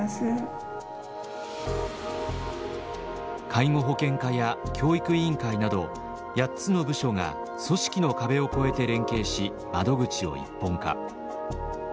介護保険課や教育委員会など８つの部署が組織の壁を越えて連携し窓口を一本化。